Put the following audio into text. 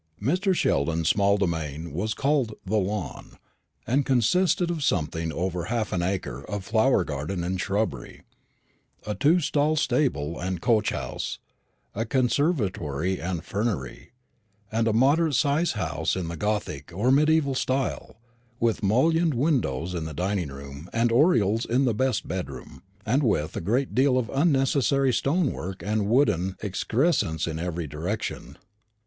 Mr. Sheldon's small domain was called The Lawn, and consisted of something over half an acre of flower garden and shrubbery, a two stall stable and coach house, a conservatory and fernery, and a moderate sized house in the gothic or mediæval style, with mullioned windows in the dining room and oriels in the best bedroom, and with a great deal of unnecessary stone work and wooden excrescence in every direction.